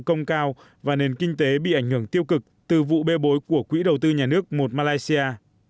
công cao và nền kinh tế bị ảnh hưởng tiêu cực từ vụ bê bối của quỹ đầu tư nhà nước một malaysia